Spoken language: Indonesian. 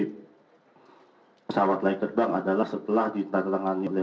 pesawat laik terbang adalah setelah ditarangannya oleh